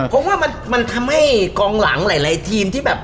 เพราะว่ามันทำให้กองหลังหลายทีมที่แบบ